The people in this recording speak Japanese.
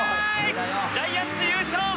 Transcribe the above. ジャイアンツ優勝！